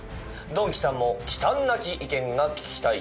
ドンキさんも忌憚なき意見が聞きたいとの事。